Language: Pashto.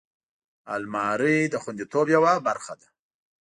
الماري د خوندیتوب یوه برخه ده